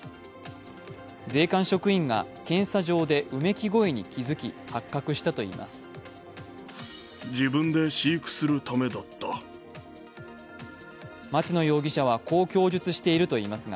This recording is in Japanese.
税関職員が検査場でうめき声に気付き発覚したということです。